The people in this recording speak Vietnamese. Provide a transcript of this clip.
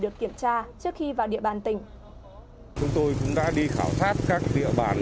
chúng tôi đã đi khảo sát các địa bàn